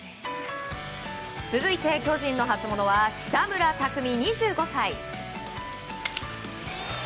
続いて、巨人の初モノは北村拓己、２５歳。